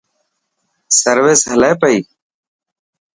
سروس هلي پئي.